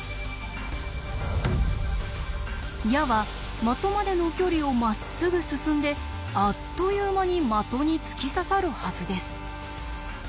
矢は的までの距離をまっすぐ進んであっという間に的に突き刺さるはずです。